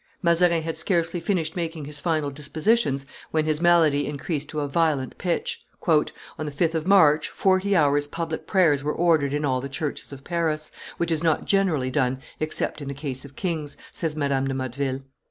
Mazarin had scarcely finished making his final dispositions when his malady increased to a violent pitch. "On the 5th of March, forty hours' public prayers were ordered in all the churches of Paris, which is not generally done except in the case of kings," says Madame de Motteville.